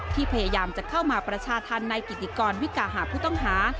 พยายามจะเข้ามาประชาธรรมในกิติกรวิกาหาผู้ต้องหา